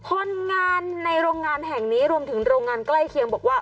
คนงานในโรงงานแห่งนี้รวมถึงโรงงานใกล้เคียงบอกว่า